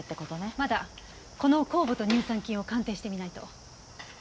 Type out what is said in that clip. まだこの酵母と乳酸菌を鑑定してみないと。